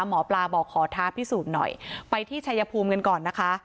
หมอปลาบอกขอท้าพิสูจน์หน่อยไปที่ชัยภูมิกันก่อนนะคะ